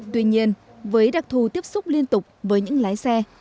tuy nhiên với đặc thù tiếp xúc liên tục với những lái xe